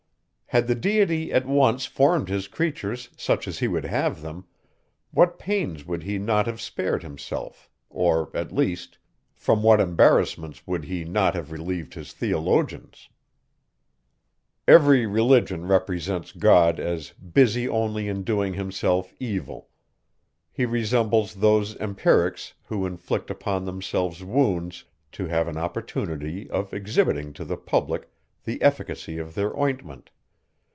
Had the Deity at once formed his creatures such as he would have them, what pains would he not have spared himself, or, at least, from what embarrassments would he not have relieved his theologians! Every religion represents God as busy only in doing himself evil. He resembles those empirics, who inflict upon themselves wounds, to have an opportunity of exhibiting to the public the efficacy of their ointment.